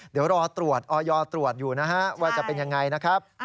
เดี๋ยวรอตรวจออยตรวจอยู่นะฮะว่าจะเป็นยังไงนะครับ